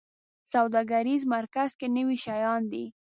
سوداګریز مرکز کې نوي شیان دي